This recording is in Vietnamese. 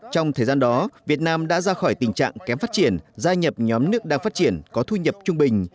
trong thời gian đó việt nam đã ra khỏi tình trạng kém phát triển gia nhập nhóm nước đang phát triển có thu nhập trung bình